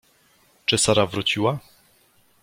"Czy Sara wróciła?"